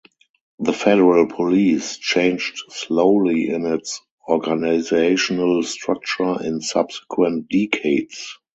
The Federal Police changed slowly in its organizational structure in subsequent decades.